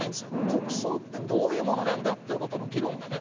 国葬ってどういうものなんだ？っていう議論がね